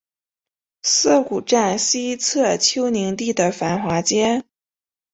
涩谷站西侧丘陵地的繁华街。